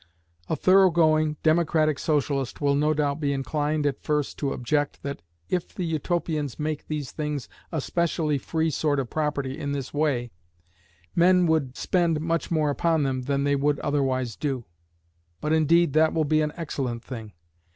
A thorough going, Democratic Socialist will no doubt be inclined at first to object that if the Utopians make these things a specially free sort of property in this way, men would spend much more upon them than they would otherwise do, but indeed that will be an excellent thing.